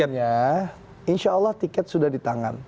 akhirnya insya allah tiket sudah di tangan